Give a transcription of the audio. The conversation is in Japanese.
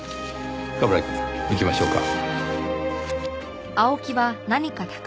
冠城くん行きましょうか。